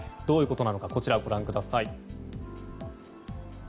どういうことなのかこちらをご覧ください。